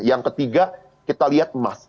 yang ketiga kita lihat emas